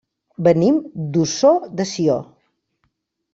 Venim d'Ossó de Sió.